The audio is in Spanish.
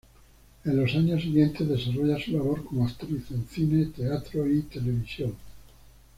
En los años siguientes desarrolla su labor como actriz en cine, teatro y televisión.